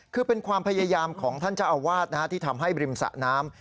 คือเป็นความพยายามของท่านเจ้าอาวาสที่ทำให้ริมสะน้ำ